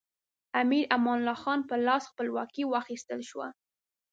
امیر امان الله خان په لاس خپلواکي واخیستل شوه.